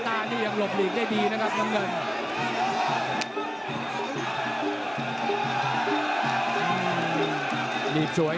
ตามต่อยกที่๓ครับ